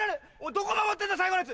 どこ守ってんだ最後のヤツ。